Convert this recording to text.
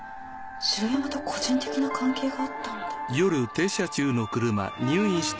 城山と個人的な関係があったんだ。